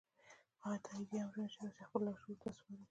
هغه تاييدي امرونه چې تاسې يې خپل لاشعور ته سپارئ.